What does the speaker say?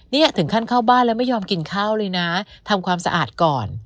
นี่ถึงขั้นเข้าบ้านแล้วไม่ยอมกินข้าวเลยนะทำความสะอาดก่อน